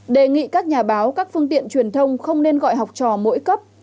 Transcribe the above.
đề nghị các nhà báo các phương tiện truyền thông không nên gọi học trò mỗi cấp